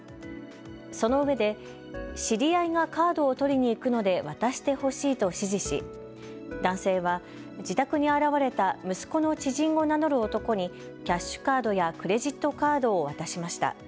そのうえで、知り合いがカードを取りにいくので渡してほしいと指示し男性は自宅に現れた息子の知人を名乗る男にキャッシュカードやクレジットカードを渡しました。